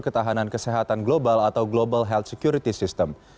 ketahanan kesehatan global atau global health security system